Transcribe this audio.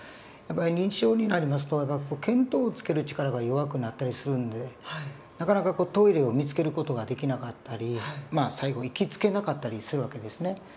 やっぱり認知症になりますと見当をつける力が弱くなったりするんでなかなかトイレを見つける事ができなかったり最後行き着けなかったりする訳ですね。